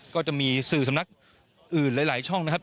ก็จะมีสื่อสำนักอื่นหลายช่อง